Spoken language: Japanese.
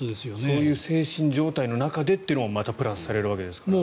そういう精神状態の中でというのもプラスされるわけですから。